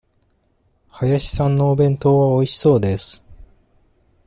林さんのお弁当はおいしそうです。